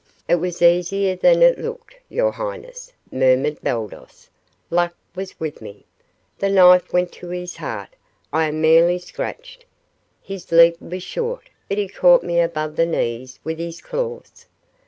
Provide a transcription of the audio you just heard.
"It was easier than it looked, your highness," murmured Baldos. "Luck was with me. The knife went to his heart. I am merely scratched. His leap was short, but he caught me above the knees with his claws.